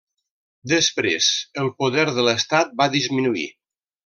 Després el poder de l'estat va disminuir.